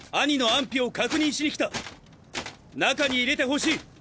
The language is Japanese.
中に入れてほしい。